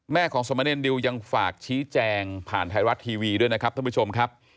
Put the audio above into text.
ของสมเนรดิวยังฝากชี้แจงผ่านไทยรัฐทีวีด้วยนะครับท่านผู้ชมครับ